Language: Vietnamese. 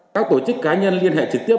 các tổ chức cá nhân liên hệ trực tiếp